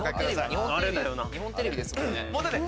日本テレビですよね。